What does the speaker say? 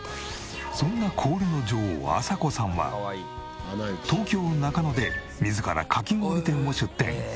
そんな氷の女王麻子さんは東京中野で自らかき氷店を出店。